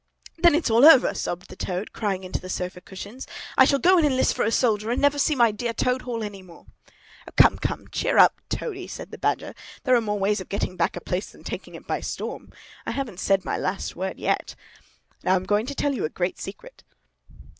"Then it's all over," sobbed the Toad, crying into the sofa cushions. "I shall go and enlist for a soldier, and never see my dear Toad Hall any more!" "Come, cheer up, Toady!" said the Badger. "There are more ways of getting back a place than taking it by storm. I haven't said my last word yet. Now I'm going to tell you a great secret."